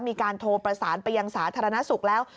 มีการโทรประสานไปยังสาธารณสุขแล้ว